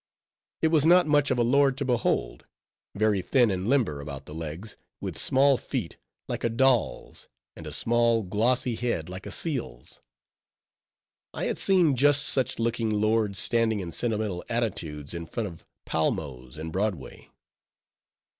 It was not much of a lord to behold; very thin and limber about the legs, with small feet like a doll's, and a small, glossy head like a seal's. I had seen just such looking lords standing in sentimental attitudes in front of Palmo's in Broadway.